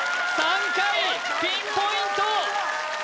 ３回ピンポイント！